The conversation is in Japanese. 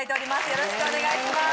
よろしくお願いします。